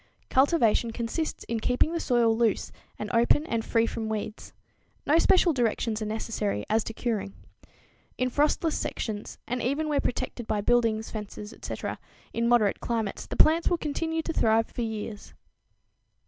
Cultivation consists in keeping the soil loose and open and free from weeds. No special directions are necessary as to curing. In frostless sections, and even where protected by buildings, fences, etc., in moderate climates, the plants will continue to thrive for years.